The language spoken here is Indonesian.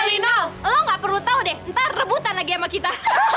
eh linal lo gak perlu tau de ntar rebutan lagi sama kita